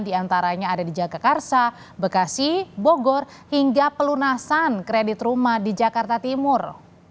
diantaranya ada di jakarta karsa bekasi bogor hingga pelunasan kredit rumah di jakarta timur